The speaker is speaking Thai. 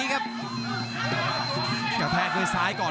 รับทราบบรรดาศักดิ์